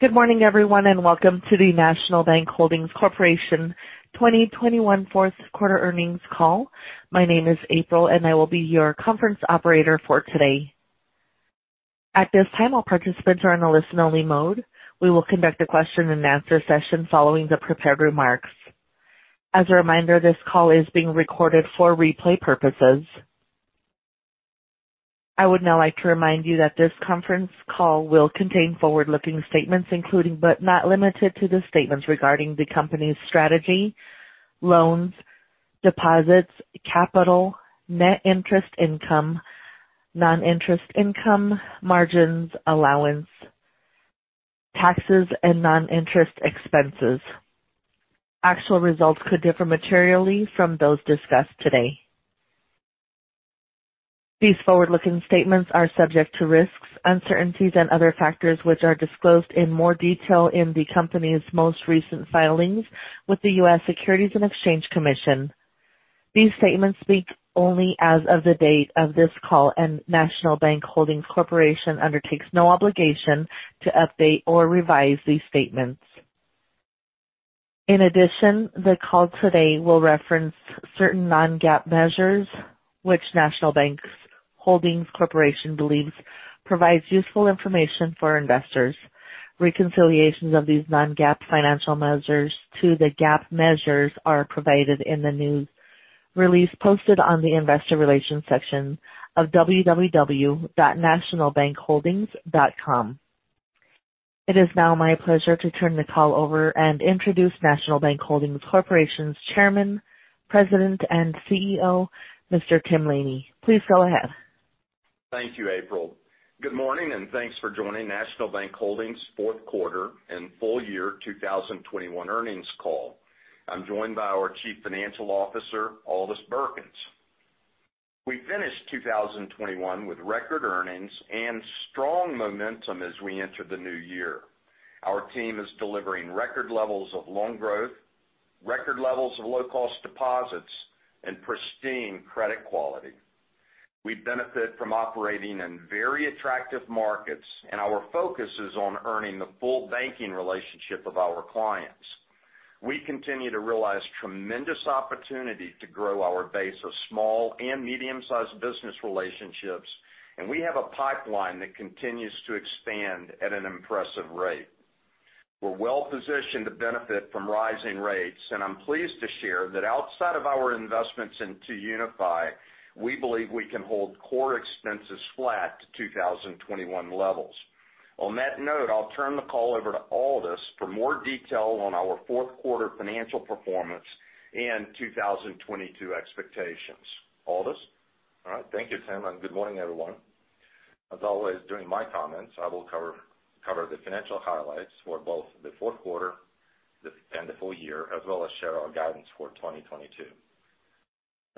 Good morning, everyone, and welcome to the National Bank Holdings Corporation 2021 fourth quarter earnings call. My name is April, and I will be your conference operator for today. At this time, all participants are in a listen-only mode. We will conduct a question-and-answer session following the prepared remarks. As a reminder, this call is being recorded for replay purposes. I would now like to remind you that this conference call will contain forward-looking statements, including, but not limited to, the statements regarding the company's strategy, loans, deposits, capital, net interest income, non-interest income, margins, allowance, taxes, and non-interest expenses. Actual results could differ materially from those discussed today. These forward-looking statements are subject to risks, uncertainties, and other factors which are disclosed in more detail in the company's most recent filings with the U.S. Securities and Exchange Commission. These statements speak only as of the date of this call, and National Bank Holdings Corporation undertakes no obligation to update or revise these statements. In addition, the call today will reference certain non-GAAP measures which National Bank Holdings Corporation believes provides useful information for investors. Reconciliations of these non-GAAP financial measures to the GAAP measures are provided in the news release posted on the investor relations section of www.nationalbankholdings.com. It is now my pleasure to turn the call over and introduce National Bank Holdings Corporation's Chairman, President, and CEO, Mr. Tim Laney. Please go ahead. Thank you, April. Good morning, and thanks for joining National Bank Holdings fourth quarter and full year 2021 earnings call. I'm joined by our Chief Financial Officer, Aldis Birkans. We finished 2021 with record earnings and strong momentum as we enter the new year. Our team is delivering record levels of loan growth, record levels of low-cost deposits, and pristine credit quality. We benefit from operating in very attractive markets, and our focus is on earning the full banking relationship of our clients. We continue to realize tremendous opportunity to grow our base of small and medium-sized business relationships, and we have a pipeline that continues to expand at an impressive rate. We're well-positioned to benefit from rising rates, and I'm pleased to share that outside of our investments into 2UniFi, we believe we can hold core expenses flat to 2021 levels. On that note, I'll turn the call over to Aldis for more detail on our fourth quarter financial performance and 2022 expectations. Aldis? All right. Thank you, Tim, and good morning, everyone. As always, during my comments, I will cover the financial highlights for both the fourth quarter and the full year, as well as share our guidance for 2022.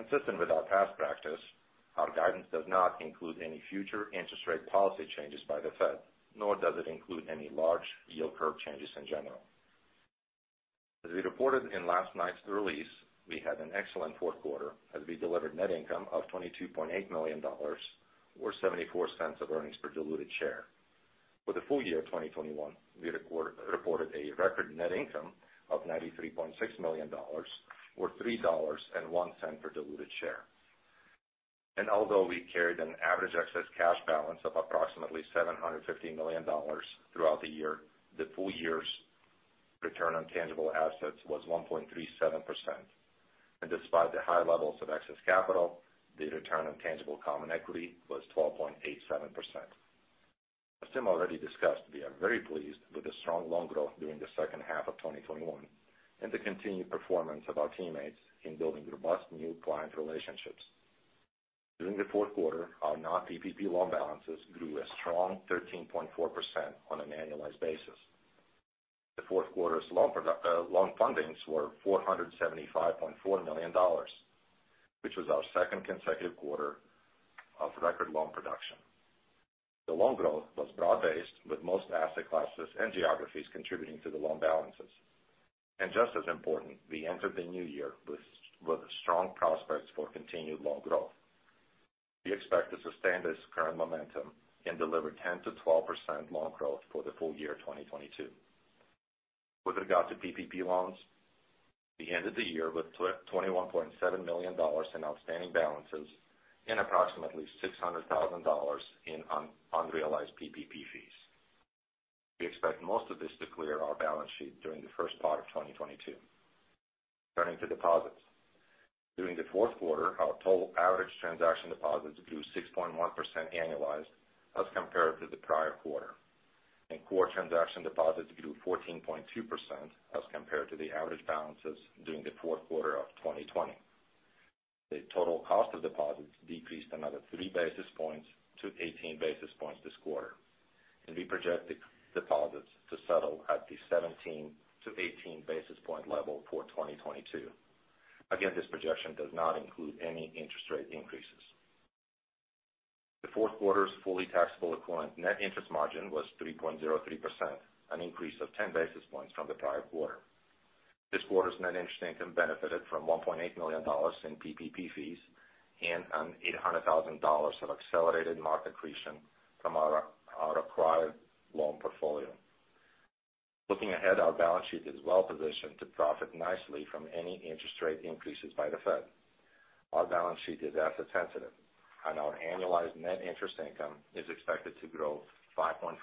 Consistent with our past practice, our guidance does not include any future interest rate policy changes by the Fed, nor does it include any large yield curve changes in general. As we reported in last night's release, we had an excellent fourth quarter as we delivered net income of $22.8 million or $0.74 per diluted share. For the full year of 2021, we reported a record net income of $93.6 million or $3.01 per diluted share. Although we carried an average excess cash balance of approximately $750 million throughout the year, the full year's return on tangible assets was 1.37%. Despite the high levels of excess capital, the return on tangible common equity was 12.87%. As Tim already discussed, we are very pleased with the strong loan growth during the second half of 2021 and the continued performance of our teammates in building robust new client relationships. During the fourth quarter, our non-PPP loan balances grew a strong 13.4% on an annualized basis. The fourth quarter's loan fundings were $475.4 million, which was our second consecutive quarter of record loan production. The loan growth was broad-based, with most asset classes and geographies contributing to the loan balances. Just as important, we entered the new year with strong prospects for continued loan growth. We expect to sustain this current momentum and deliver 10%-12% loan growth for the full year 2022. With regard to PPP loans, we ended the year with $21.7 million in outstanding balances and approximately $600,000 in unrealized PPP fees. We expect most of this to clear our balance sheet during the first part of 2022. Turning to deposits. During the fourth quarter, our total average transaction deposits grew 6.1% annualized as compared to the prior quarter. Core transaction deposits grew 14.2% as compared to the average balances during the fourth quarter of 2020. The total cost of deposits decreased another 3 basis points to 18 basis points this quarter, and we project the deposits to settle at the 17-18 basis point level for 2022. Again, this projection does not include any interest rate increases. The fourth quarter's fully taxable equivalent net interest margin was 3.03%, an increase of 10 basis points from the prior quarter. This quarter's net interest income benefited from $1.8 million in PPP fees and $800,000 of accelerated mark accretion from our acquired loan portfolio. Looking ahead, our balance sheet is well positioned to profit nicely from any interest rate increases by the Fed. Our balance sheet is asset sensitive, and our annualized net interest income is expected to grow 5.4%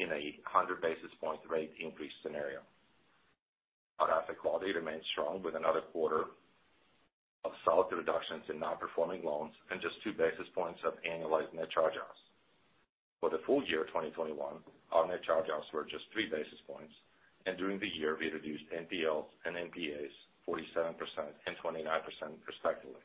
in a 100 basis point rate increase scenario. Our asset quality remains strong with another quarter of solid reductions in non-performing loans and just 2 basis points of annualized net charge-offs. For the full year 2021, our net charge-offs were just 3 basis points, and during the year, we reduced NPLs and NPAs 47% and 29% respectively.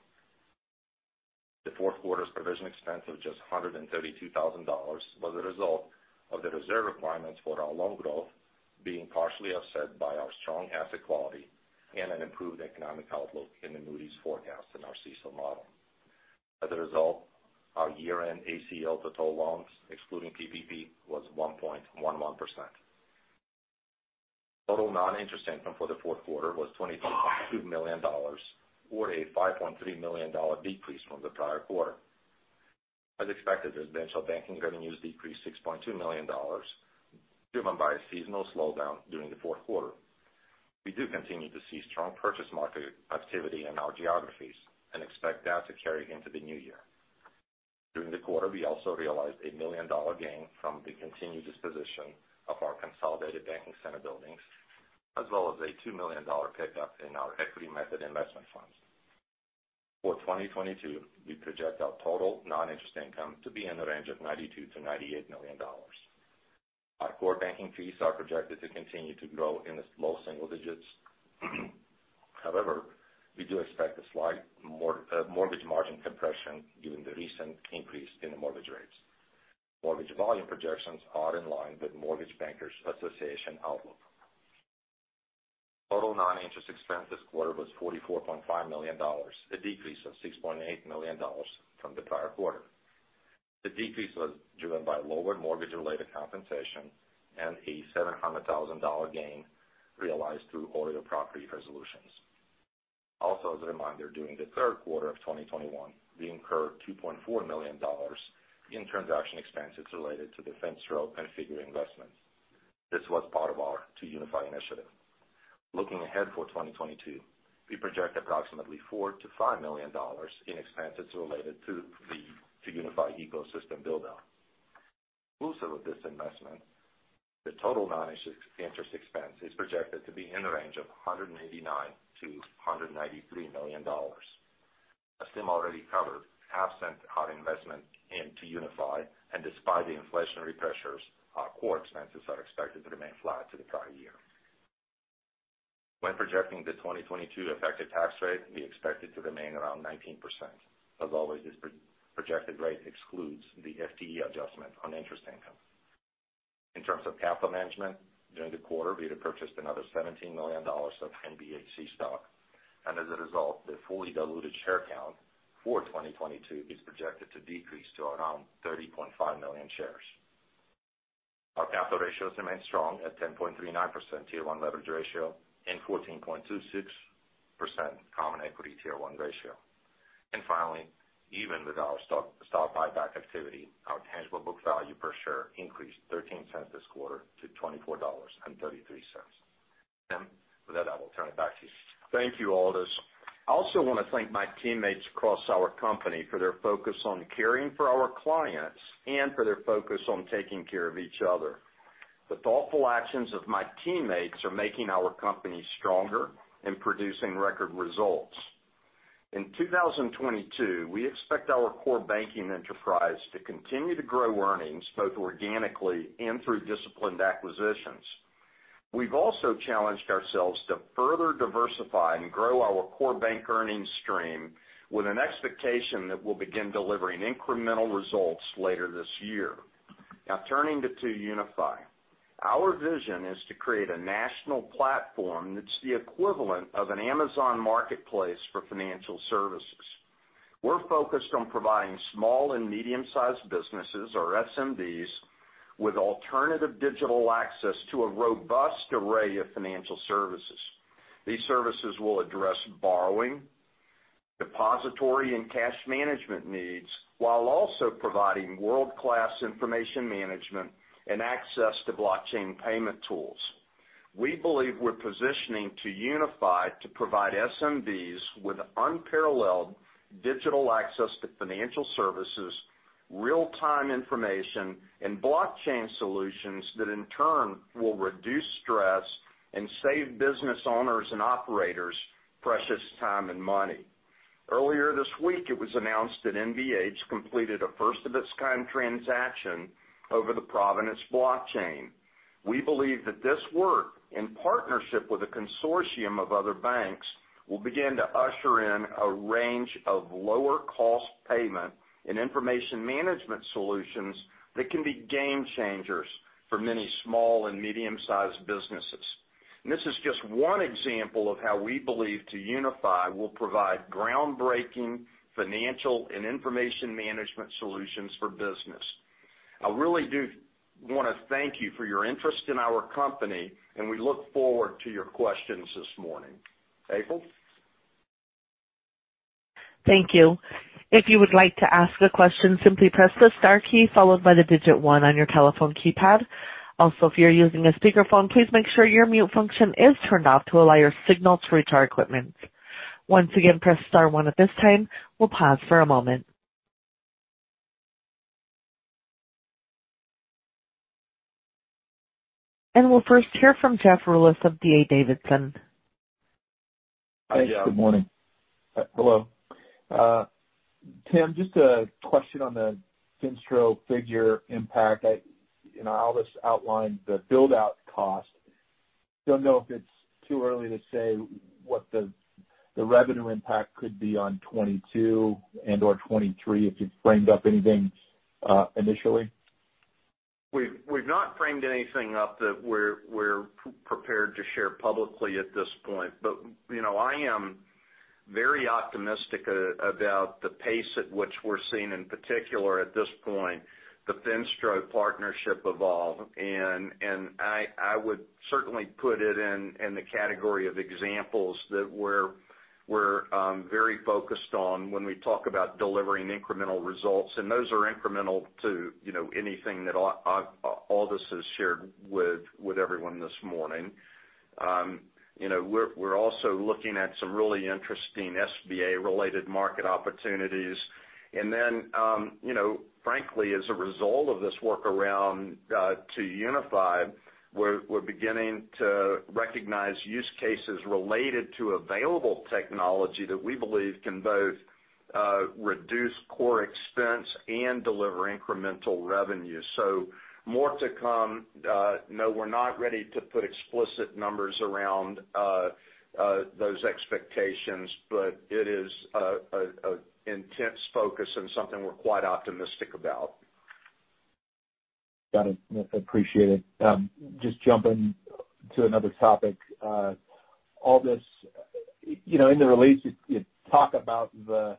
The fourth quarter's provision expense of just $132,000 was a result of the reserve requirements for our loan growth being partially offset by our strong asset quality and an improved economic outlook in the Moody's forecast in our CECL model. As a result, our year-end ACL to total loans, excluding PPP, was 1.11%. Total non-interest income for the fourth quarter was $22.2 million or a $5.3 million decrease from the prior quarter. As expected, residential banking revenues decreased $6.2 million, driven by a seasonal slowdown during the fourth quarter. We do continue to see strong purchase market activity in our geographies and expect that to carry into the new year. During the quarter, we also realized a $1 million gain from the continued disposition of our consolidated banking center buildings, as well as a $2 million pickup in our equity method investment funds. For 2022, we project our total non-interest income to be in the range of $92 million-$98 million. Our core banking fees are projected to continue to grow in the slow single digits. However, we do expect a slight mortgage margin compression given the recent increase in the mortgage rates. Mortgage volume projections are in line with Mortgage Bankers Association outlook. Total non-interest expense this quarter was $44.5 million, a decrease of $6.8 million from the prior quarter. The decrease was driven by lower mortgage-related compensation and a $700,000 gain realized through OREO property resolutions. Also, as a reminder, during the third quarter of 2021, we incurred $2.4 million in transaction expenses related to Finstro and Figure Technologies. This was part of our 2UniFi initiative. Looking ahead for 2022, we project approximately $4 million-$5 million in expenses related to the 2UniFi ecosystem build-out. Inclusive of this investment, the total non-interest expense is projected to be in the range of $189 million-$193 million. As Tim already covered, absent our investment in 2UniFi, and despite the inflationary pressures, our core expenses are expected to remain flat to the prior year. When projecting the 2022 effective tax rate, we expect it to remain around 19%. As always, this projected rate excludes the FTE adjustment on interest income. In terms of capital management, during the quarter, we had purchased another $17 million of NBHC stock. As a result, the fully diluted share count for 2022 is projected to decrease to around 30.5 million shares. Our capital ratios remain strong at 10.39% Tier 1 leverage ratio and 14.26% common equity Tier 1 ratio. Finally, even with our stock buyback activity, our tangible book value per share increased $0.13 this quarter to $24.33. Tim, with that, I will turn it back to you. Thank you, Aldis. I also wanna thank my teammates across our company for their focus on caring for our clients and for their focus on taking care of each other. The thoughtful actions of my teammates are making our company stronger and producing record results. In 2022, we expect our core banking enterprise to continue to grow earnings both organically and through disciplined acquisitions. We've also challenged ourselves to further diversify and grow our core bank earnings stream with an expectation that we'll begin delivering incremental results later this year. Now turning to 2UniFi. Our vision is to create a national platform that's the equivalent of an Amazon Marketplace for financial services. We're focused on providing small and medium-sized businesses, or SMBs, with alternative digital access to a robust array of financial services. These services will address borrowing, depository, and cash management needs, while also providing world-class information management and access to blockchain payment tools. We believe we're positioning 2UniFi to provide SMBs with unparalleled digital access to financial services, real-time information, and blockchain solutions that in turn will reduce stress and save business owners and operators precious time and money. Earlier this week, it was announced that NBHC completed a first-of-its-kind transaction over the Provenance Blockchain. We believe that this work, in partnership with a consortium of other banks, will begin to usher in a range of lower cost payment and information management solutions that can be game changers for many small and medium-sized businesses. This is just one example of how we believe 2UniFi will provide groundbreaking financial and information management solutions for business. I really do want to thank you for your interest in our company, and we look forward to your questions this morning. April? Thank you. If you would like to ask a question, simply press the star key followed by the digit one on your telephone keypad. Also, if you're using a speakerphone, please make sure your mute function is turned off to allow your signal to reach our equipment. Once again, press star one at this time. We'll pause for a moment. We'll first hear from Jeff Rulis of D.A. Davidson. Hi, Jeff. Good morning. Hello. Tim, just a question on the Finstro and Figure impact. Aldis outlined the build-out cost. Don't know if it's too early to say what the revenue impact could be on 2022 and/or 2023, if you've framed up anything, initially. We've not framed anything up that we're prepared to share publicly at this point. You know, I am very optimistic about the pace at which we're seeing, in particular at this point, the Finstro partnership evolve. I would certainly put it in the category of examples that we're very focused on when we talk about delivering incremental results. Those are incremental to, you know, anything that Aldis has shared with everyone this morning. You know, we're also looking at some really interesting SBA-related market opportunities. You know, frankly, as a result of this workaround to 2UniFi, we're beginning to recognize use cases related to available technology that we believe can both reduce core expense and deliver incremental revenue. More to come. No, we're not ready to put explicit numbers around those expectations, but it is an intense focus and something we're quite optimistic about. Got it. Appreciate it. Just jumping to another topic. Aldis, you know, in the release, you talk about the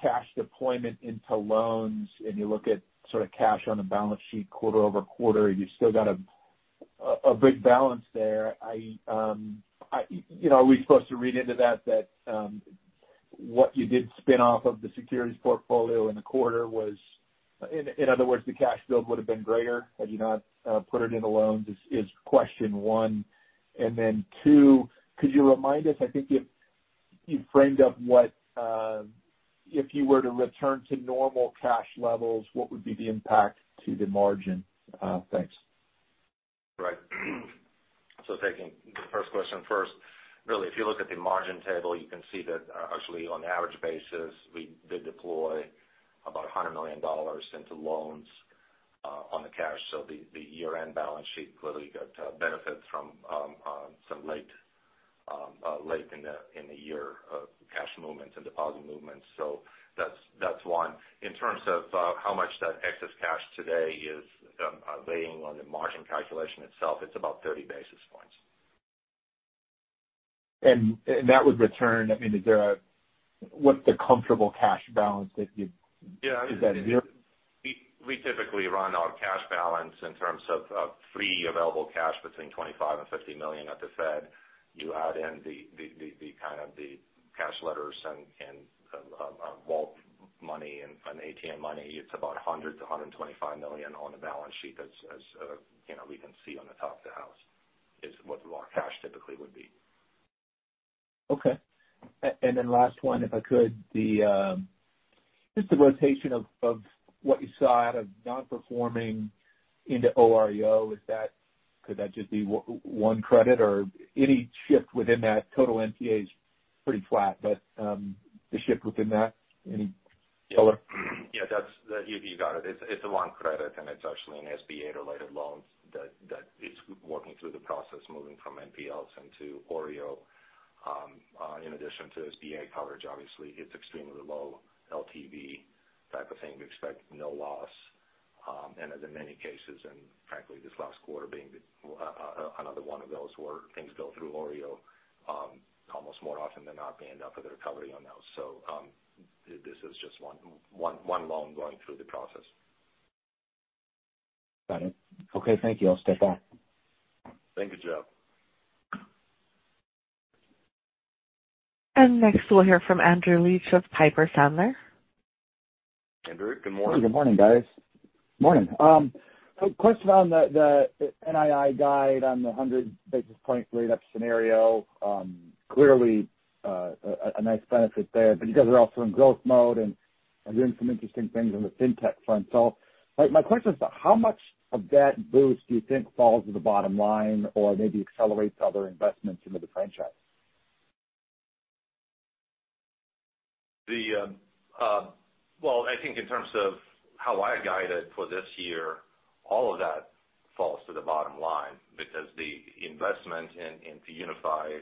cash deployment into loans, and you look at sort of cash on the balance sheet quarter-over-quarter, you still got a big balance there. You know, are we supposed to read into that what you did spin off of the securities portfolio in the quarter was. In other words, the cash build would have been greater had you not put it in the loans is question one. Two, could you remind us, I think you framed up what if you were to return to normal cash levels, what would be the impact to the margin? Thanks. Right. Taking the first question first. Really, if you look at the margin table, you can see that actually on average basis, we did deploy about $100 million into loans on the cash. The year-end balance sheet clearly got benefit from some late in the year cash movements and deposit movements. That's one. In terms of how much that excess cash today is weighing on the margin calculation itself, it's about 30 basis points. that would return, I mean, what's the comfortable cash balance that you. Yeah. Is that zero? We typically run our cash balance in terms of free available cash between $25 million and $50 million at the Fed. You add in the cash letters and vault money and ATM money, it's about $100 million to $125 million on the balance sheet, we can see on the top of the slide is what the raw cash typically would be. Okay. Last one, if I could. Just the rotation of what you saw out of non-performing into OREO, could that just be one credit or any shift within that? Total NPA is pretty flat, but the shift within that, any color? Yeah. That's you got it. It's one credit, and it's actually an SBA-related loan that is working through the process moving from NPLs into OREO. In addition to SBA coverage, obviously, it's extremely low LTV type of thing. We expect no loss. As in many cases, and frankly, this last quarter being another one of those where things go through OREO, almost more often than not, we end up with a recovery on those. This is just one loan going through the process. Got it. Okay, thank you. I'll step back. Thank you, Jeff. Next we'll hear from Andrew Liesch of Piper Sandler. Andrew, good morning. Good morning, guys. Morning. Question on the NII guide on the 100 basis point rate up scenario. Clearly, a nice benefit there because we're also in growth mode and are doing some interesting things on the fintech front. My question is, how much of that boost do you think falls to the bottom line or maybe accelerates other investments into the franchise? I think in terms of how I guided for this year, all of that falls to the bottom line because the investment into 2UniFi,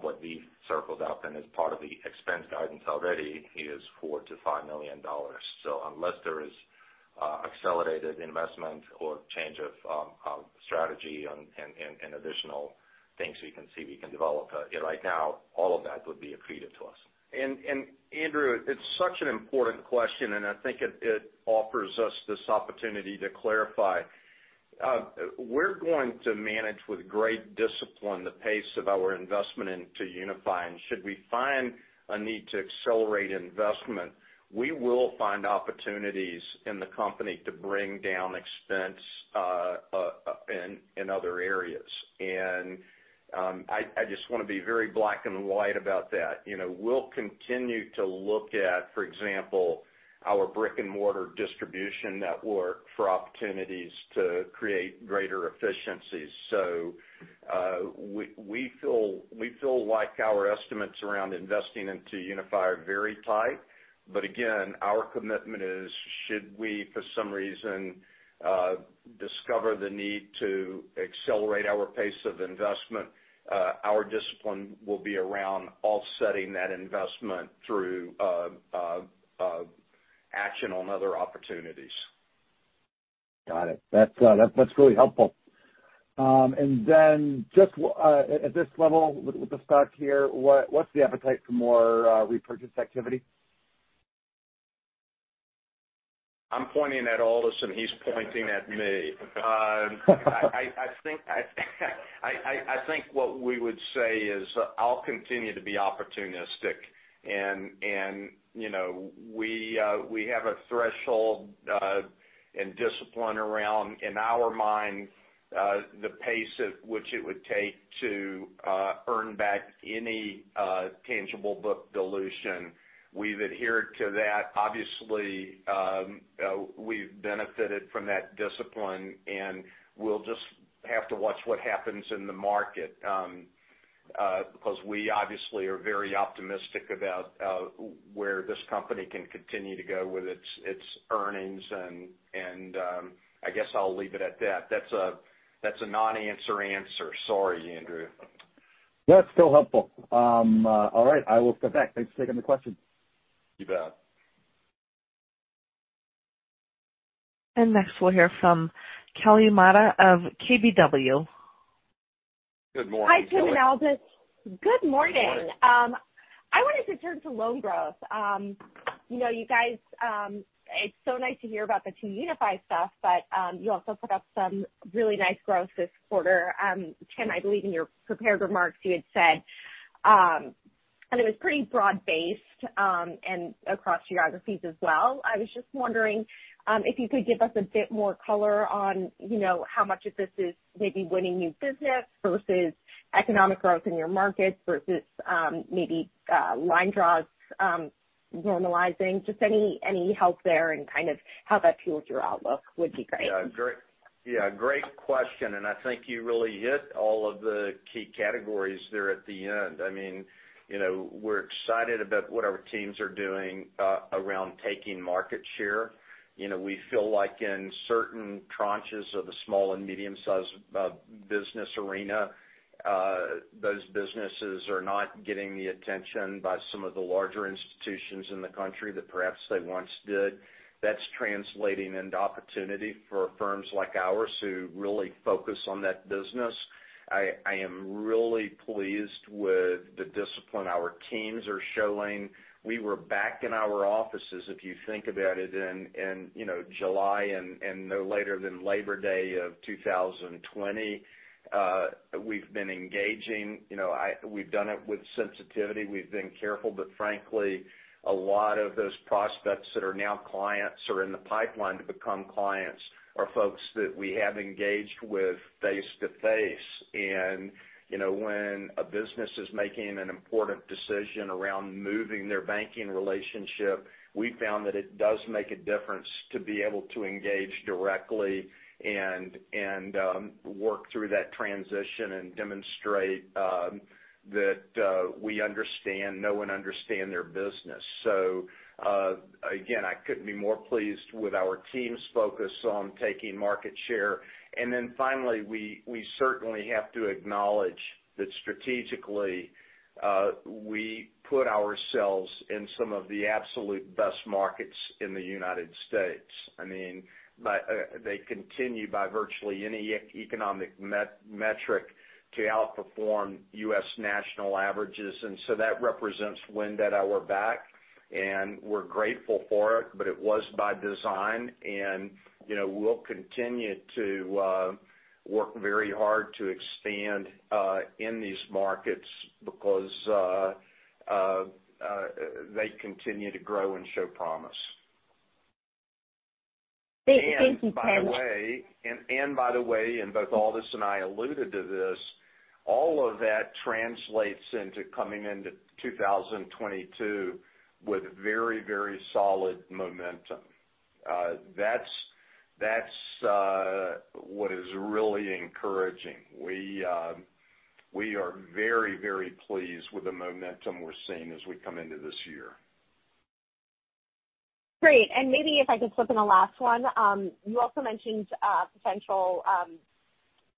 what we've circled out then as part of the expense guidance already is $4 million-$5 million. Unless there is accelerated investment or change of strategy and additional things we can develop right now, all of that would be accretive to us. Andrew, it's such an important question, and I think it offers us this opportunity to clarify. We're going to manage with great discipline the pace of our investment into 2UniFi. Should we find a need to accelerate investment, we will find opportunities in the company to bring down expense in other areas. I just wanna be very black and white about that. You know, we'll continue to look at, for example, our brick-and-mortar distribution network for opportunities to create greater efficiencies. We feel like our estimates around investing into 2UniFi are very tight. Again, our commitment is should we, for some reason, discover the need to accelerate our pace of investment, our discipline will be around offsetting that investment through action on other opportunities. Got it. That's really helpful. Just at this level with the stock here, what's the appetite for more repurchase activity? I'm pointing at Aldis, and he's pointing at me. I think what we would say is, I'll continue to be opportunistic and you know, we have a threshold and discipline around, in our mind, the pace at which it would take to earn back any tangible book dilution. We've adhered to that. Obviously, we've benefited from that discipline, and we'll just have to watch what happens in the market because we obviously are very optimistic about where this company can continue to go with its earnings. I guess I'll leave it at that. That's a non-answer answer. Sorry, Andrew. No, that's still helpful. All right, I will step back. Thanks for taking the question. You bet. Next, we'll hear from Kelly Motta of KBW. Good morning, Kelly. Hi, Tim and Aldis. Good morning. Good morning. I wanted to turn to loan growth. You know, you guys, it's so nice to hear about the 2UniFi stuff, but you also put up some really nice growth this quarter. Tim, I believe in your prepared remarks you had said, and it was pretty broad-based and across geographies as well. I was just wondering if you could give us a bit more color on, you know, how much of this is maybe winning new business versus economic growth in your markets versus maybe line draws normalizing. Just any help there and kind of how that fuels your outlook would be great. Yeah. Great. Yeah, great question, and I think you really hit all of the key categories there at the end. I mean, you know, we're excited about what our teams are doing around taking market share. You know, we feel like in certain tranches of the small and medium-sized business arena, those businesses are not getting the attention by some of the larger institutions in the country that perhaps they once did. That's translating into opportunity for firms like ours who really focus on that business. I am really pleased with the discipline our teams are showing. We were back in our offices, if you think about it, in you know July and no later than Labor Day of 2020. We've been engaging. You know, we've done it with sensitivity. We've been careful, but frankly, a lot of those prospects that are now clients or in the pipeline to become clients are folks that we have engaged with face-to-face. You know, when a business is making an important decision around moving their banking relationship, we found that it does make a difference to be able to engage directly and work through that transition and demonstrate that we know and understand their business. Again, I couldn't be more pleased with our team's focus on taking market share. Finally, we certainly have to acknowledge that strategically, we put ourselves in some of the absolute best markets in the United States. I mean, they continue by virtually any economic metric to outperform U.S. national averages. That represents wind at our back, and we're grateful for it, but it was by design. You know, we'll continue to work very hard to expand in these markets because they continue to grow and show promise. Thank you, Tim. By the way, both Aldis and I alluded to this, all of that translates into coming into 2022 with very, very solid momentum. That's what is really encouraging. We are very, very pleased with the momentum we're seeing as we come into this year. Great. Maybe if I could slip in a last one. You also mentioned potential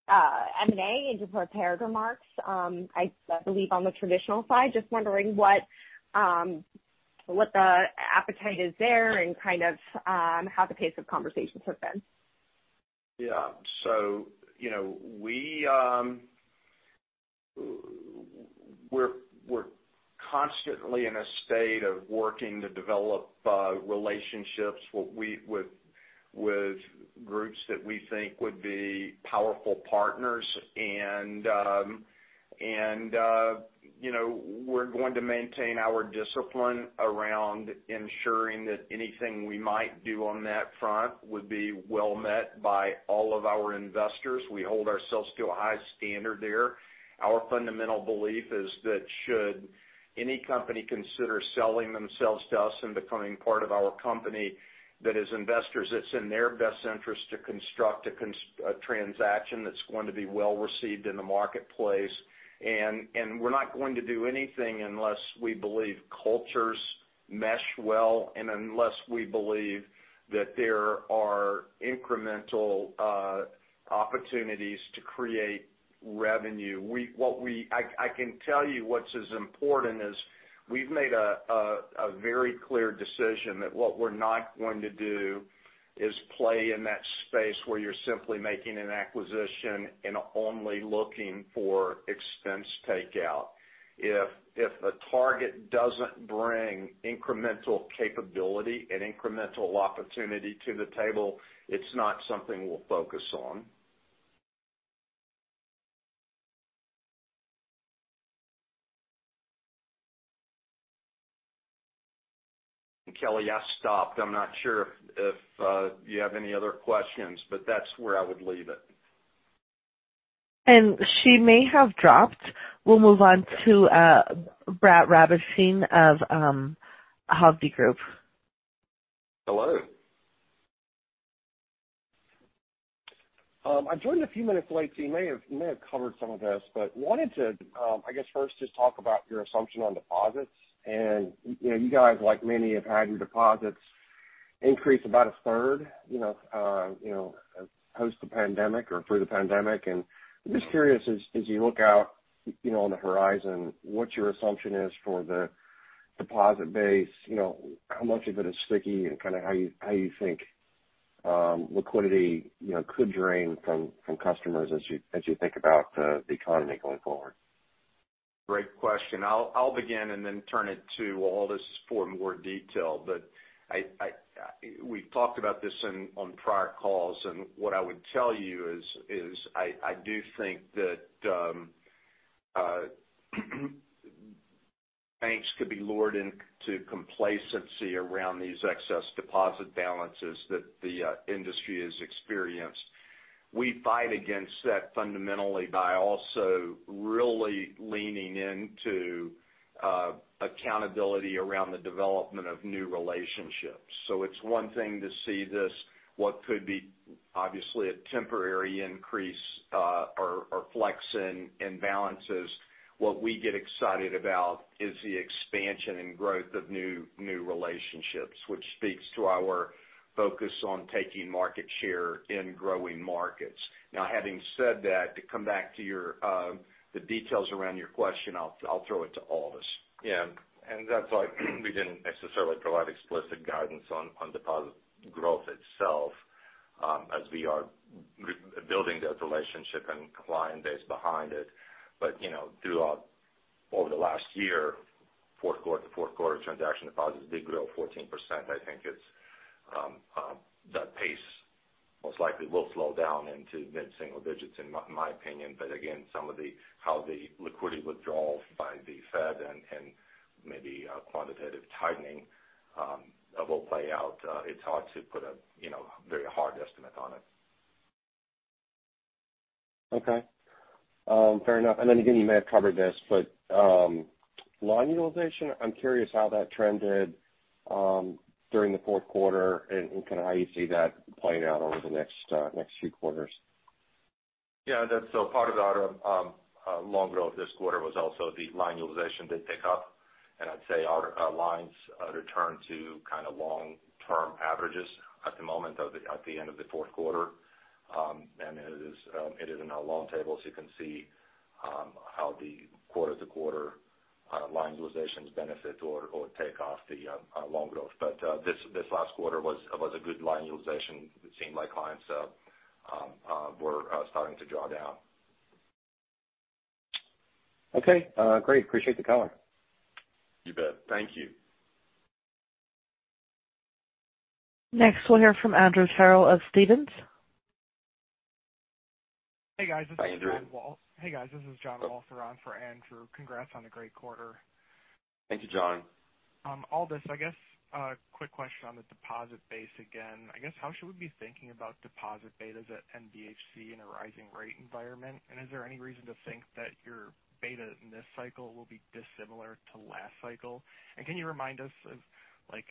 M&A in your prepared remarks, I believe on the traditional side. Just wondering what the appetite is there and kind of how the pace of conversations have been. Yeah. You know, we're constantly in a state of working to develop relationships with groups that we think would be powerful partners. You know, we're going to maintain our discipline around ensuring that anything we might do on that front would be well met by all of our investors. We hold ourselves to a high standard there. Our fundamental belief is that should any company consider selling themselves to us and becoming part of our company, that as investors, it's in their best interest to construct a transaction that's going to be well received in the marketplace. We're not going to do anything unless we believe cultures mesh well and unless we believe that there are incremental opportunities to create revenue. I can tell you what's as important is we've made a very clear decision that what we're not going to do is play in that space where you're simply making an acquisition and only looking for expense takeout. If a target doesn't bring incremental capability and incremental opportunity to the table, it's not something we'll focus on. Kelly, I've stopped. I'm not sure if you have any other questions, but that's where I would leave it. She may have dropped. We'll move on to Brett Rabatin of Hovde Group. Hello. I joined a few minutes late, so you may have covered some of this, but wanted to, I guess first, just talk about your assumption on deposits. You know, you guys like many have had your deposits increase about a third, you know, post the pandemic or through the pandemic. I'm just curious, as you look out, you know, on the horizon, what your assumption is for the deposit base. You know, how much of it is sticky and kind of how you think liquidity could drain from customers as you think about the economy going forward. Great question. I'll begin and then turn it to Aldis for more detail. We've talked about this in on prior calls, and what I would tell you is I do think that banks could be lured into complacency around these excess deposit balances that the industry has experienced. We fight against that fundamentally by also really leaning into accountability around the development of new relationships. It's one thing to see this, what could be obviously a temporary increase or flex in balances. What we get excited about is the expansion and growth of new relationships, which speaks to our focus on taking market share in growing markets. Now, having said that, to come back to the details around your question, I'll throw it to Aldis. Yeah. That's why we didn't necessarily provide explicit guidance on deposit growth itself, as we are rebuilding that relationship and client base behind it. You know, over the last year, fourth quarter to fourth quarter transaction deposits did grow 14%. I think it's that pace most likely will slow down into mid-single digits, in my opinion. Again, some of the how the liquidity withdrawals by the Fed and maybe quantitative tightening will play out, it's hard to put a you know very hard estimate on it. Okay. Fair enough. Then again, you may have covered this, but line utilization, I'm curious how that trended during the fourth quarter and kind of how you see that playing out over the next few quarters. Yeah, that's a part of our loan growth this quarter. It was also the line utilization did pick up. I'd say our lines returned to kind of long-term averages at the end of the fourth quarter. It is in our loan tables. You can see how the quarter-to-quarter line utilizations benefit or take off the loan growth. This last quarter was a good line utilization. It seemed like clients were starting to draw down. Okay. Great. Appreciate the color. You bet. Thank you. Next, we'll hear from Andrew Terrell of Stephens. Hey, guys. This is John Walsh. Hi, Andrew. Hey, guys. This is John Walsh in for Andrew. Congrats on a great quarter. Thank you, John. Aldis, I guess, quick question on the deposit base again. I guess how should we be thinking about deposit betas at NBHC in a rising rate environment? Is there any reason to think that your beta in this cycle will be dissimilar to last cycle? Can you remind us of like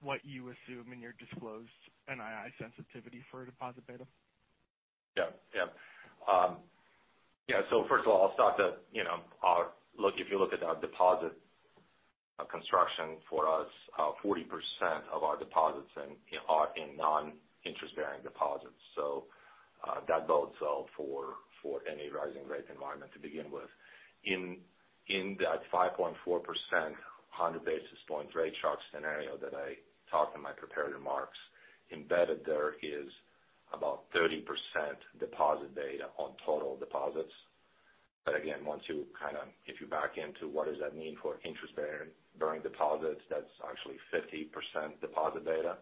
what you assume in your disclosed NII sensitivity for a deposit beta? First of all, if you look at our deposit construction for us, 40% of our deposits, you know, are in non-interest-bearing deposits. That bodes well for any rising rate environment to begin with. In that 5.4%, 100 basis points rate shock scenario that I talked in my prepared remarks, embedded there is about 30% deposit beta on total deposits. But again, if you back into what does that mean for interest bearing deposits, that's actually 50% deposit beta.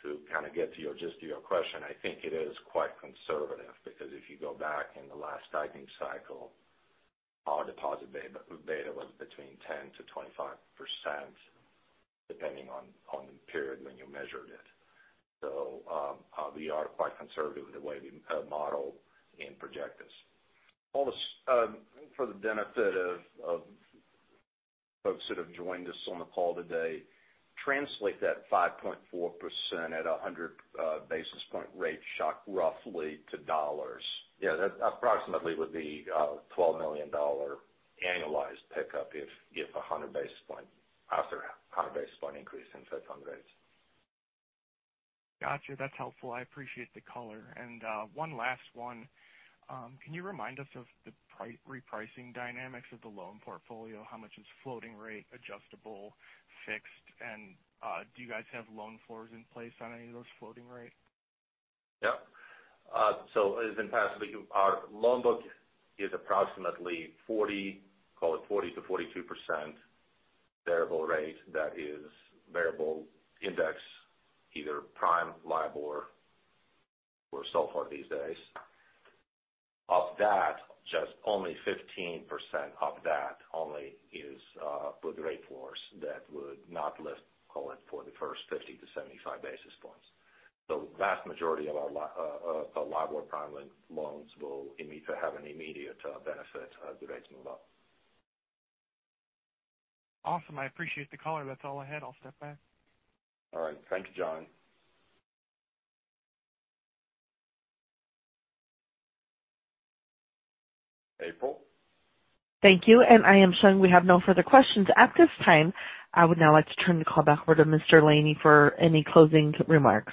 To kind of get just to your question, I think it is quite conservative because if you go back in the last tightening cycle, our deposit beta was between 10%-25%, depending on the period when you measured it. We are quite conservative the way we model and project this. Well, just for the benefit of folks that have joined us on the call today, translate that 5.4% at 100 basis point rate shock roughly to dollars. Yeah, that approximately would be $12 million annualized pickup if after a 100 basis point increase in Fed funds rate. Got you. That's helpful. I appreciate the color. One last one. Can you remind us of the repricing dynamics of the loan portfolio? How much is floating rate, adjustable, fixed? Do you guys have loan floors in place on any of those floating rate? As in the past, our loan book is approximately 40%, call it 40%-42% variable rate. That is variable index, either prime, LIBOR or SOFR these days. Of that, just only 15% of that only is with rate floors that would not lift, call it, for the first 50-75 basis points. The vast majority of our LIBOR prime loans will have an immediate benefit as the rates move up. Awesome. I appreciate the color. That's all I had. I'll step back. All right. Thank you, John. April? Thank you. I am showing we have no further questions at this time. I would now like to turn the call back over to Mr. Laney for any closing remarks.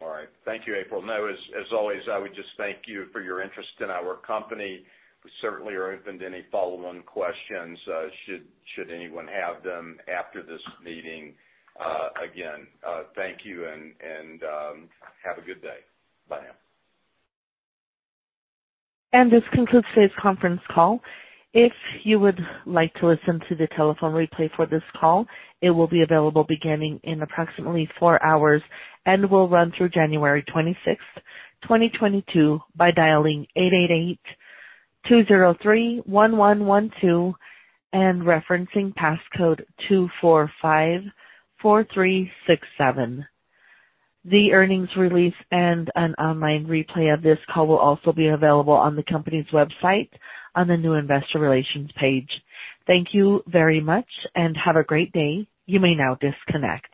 All right. Thank you, April. As always, I would just thank you for your interest in our company. We certainly are open to any follow-on questions, should anyone have them after this meeting. Again, thank you and have a good day. Bye now. This concludes today's conference call. If you would like to listen to the telephone replay for this call, it will be available beginning in approximately four hours and will run through January 26th, 2022, by dialing 888-203-1112 and referencing passcode 2454367. The earnings release and an online replay of this call will also be available on the company's website on the new Investor Relations page. Thank you very much and have a great day. You may now disconnect.